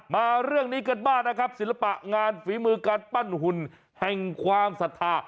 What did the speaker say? มาเรื่องนี้กันบ้างนะครับศิลปะงานฝีมือการปั้นหุ่นแห่งความศรัทธา